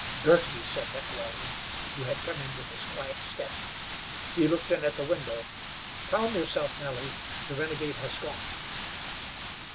"Girty!" said Heckewelder, who had come in with his quiet step. "He looked in at the window. Calm yourself, Nellie. The renegade has gone."